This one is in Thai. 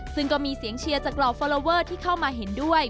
ซึ่งก็มีเสียงเชียร์จากเหล่าฟอลลอเวอร์ที่เข้ามาเห็นด้วย